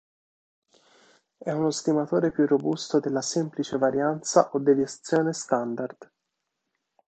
È uno stimatore più robusto della semplice varianza o deviazione standard.